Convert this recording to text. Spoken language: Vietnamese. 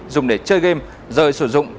dùng để chơi game rời sử dụng